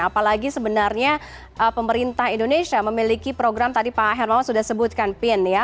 apalagi sebenarnya pemerintah indonesia memiliki program tadi pak hermawan sudah sebutkan pin ya